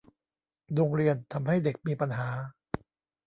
โรงเรียนทำให้เด็กมีปัญหา